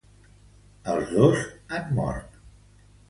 Els dos han mort.